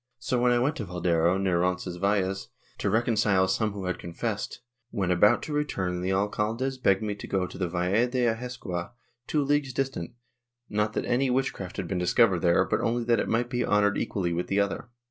So, when I went to Valderro, near Roncesvalles, to recon cile some who had confessed, when about to return the alcaldes begged me to go to the Valle de Ahescoa, two leagues distant, not that any witchcraft had been discovered there, but only that it might be honored equally with the other.